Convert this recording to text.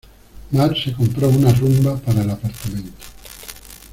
Mar se compró una Rumba para el apartamento.